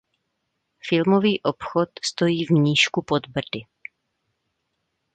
Filmový obchod stojí v Mníšku pod Brdy.